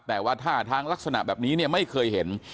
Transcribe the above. แต่ว่าท่าทางลักษณะแบบนี้เนี่ยไม่เคยเห็น